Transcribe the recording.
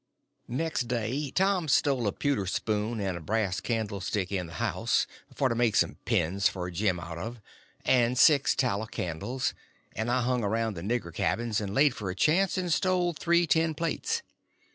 Next day Tom stole a pewter spoon and a brass candlestick in the house, for to make some pens for Jim out of, and six tallow candles; and I hung around the nigger cabins and laid for a chance, and stole three tin plates.